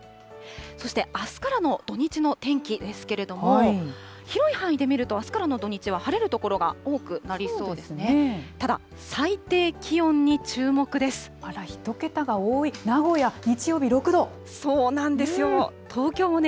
そして、あすからの土日の天気ですけれども、広い範囲で見ると、あすからの土日は晴れる所が多くなりそうですね。